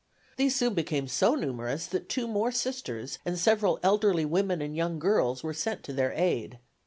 These soon became so numerous that two more Sisters and several elderly women and young girls were sent to their aid.